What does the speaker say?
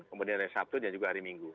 kemudian hari sabtu dan juga hari minggu